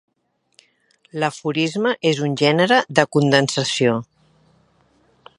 L'aforisme és un gènere de condensació.